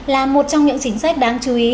là một trong những chính sách đáng chú ý